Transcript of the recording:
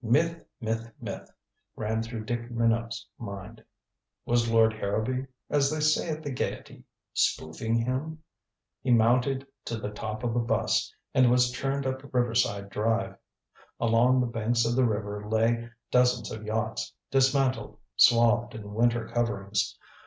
Myth, myth, myth, ran through Dick Minot's mind. Was Lord Harrowby as they say at the Gaiety spoofing him? He mounted to the top of a bus, and was churned up Riverside Drive. Along the banks of the river lay dozens of yachts, dismantled, swathed in winter coverings.